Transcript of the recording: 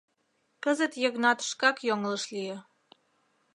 Кызыт Йыгнат шкак йоҥылыш лие.